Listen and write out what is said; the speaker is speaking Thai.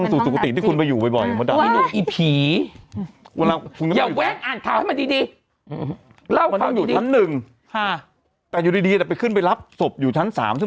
อ้อมที่วิบัติไปเอาให้มันดีอ่ะเหนียนอาจไปขึ้นไปรับศพอยู่ทั้ง๓ที่